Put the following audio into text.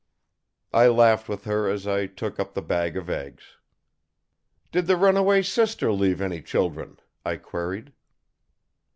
I laughed with her as I took up the bag of eggs. "Did the runaway sister leave any children?" I queried.